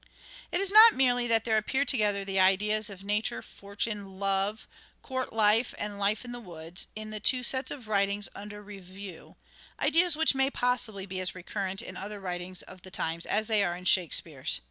" It is not merely that there appear together the ideas of Nature, Fortune, Love, court life and life in the woods, in the two sets of writings under review — ideas which may possibly be as recurrent in other writings of the times as they are in Shakespeare's.